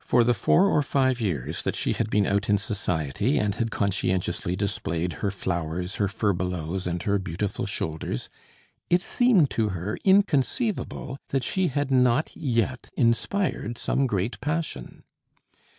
For the four or five years that she had been out in society and had conscientiously displayed her flowers, her furbelows, and her beautiful shoulders, it seemed to her inconceivable that she had not yet inspired some great passion.